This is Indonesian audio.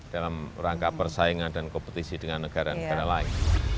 dalam rangka persaingan dan kompetisi dengan negara negara lain